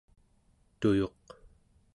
tuyuq²